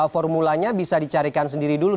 formulanya bisa dicarikan sendiri dulu